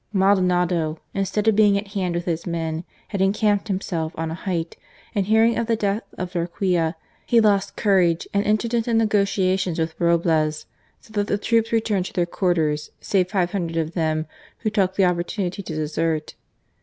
Maldonado, instead of being at hand with his men, had encamped himself on a height, and hearing of the death of Darquea he lost courage and entered into negotiations with Roblez, so that the troops returned to their quarters, save five hundred of them who took the opportunity to desert.